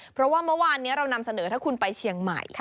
เพราะว่าเมื่อวานนี้เรานำเสนอถ้าคุณไปเชียงใหม่